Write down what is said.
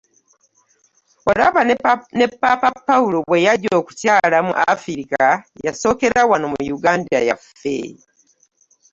Olaba ne Ppaapa Pawulo bweyajja okukyala mu Africa yasokera wano mu Uganda yaffe!.